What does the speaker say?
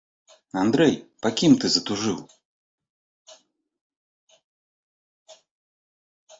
Андрэй, па кім ты затужыў?